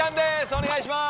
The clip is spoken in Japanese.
お願いします。